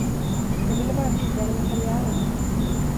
Jag ville bara vidare med karriären.